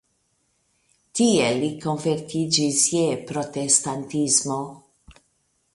Tie li konvertiĝis je protestantismo.